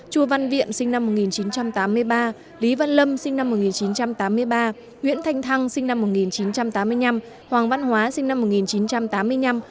chu văn viện sinh năm một nghìn chín trăm tám mươi ba lý văn lâm sinh năm một nghìn chín trăm tám mươi ba nguyễn thanh thăng sinh năm một nghìn chín trăm tám mươi năm hoàng văn hóa sinh năm một nghìn chín trăm tám mươi năm